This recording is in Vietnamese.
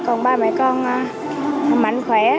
còn ba mẹ con mạnh khỏe